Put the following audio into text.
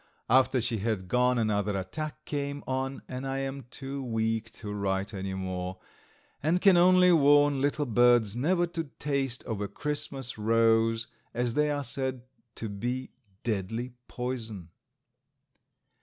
After she had gone another attack came on and I am too weak to write any more, and can only warn little birds never to taste of a Christmas rose, as they are said to be deadly poison.